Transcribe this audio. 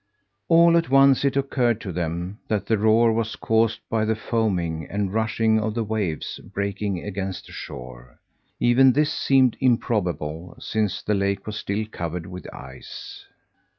All at once it occurred to them that the roar was caused by the foaming and rushing of the waves breaking against a shore. Even this seemed improbable, since the lake was still covered with ice.